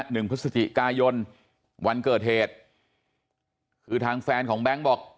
หนึ่งพฤศจิกายนวันเกิดเหตุคือทางแฟนของแบงค์บอก